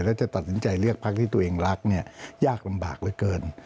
แล้วจะตัดสินใจเลือกพักที่ตัวเองรักเนี่ยยากลำบากเหลือเกิน